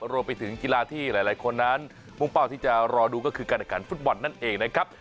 รวมไปถึงกีฬาที่หลายคนนั้นมุ่งเป้าที่จะรอดูก็คือการแข่งขันฟุตบอลนั่นเองนะครับ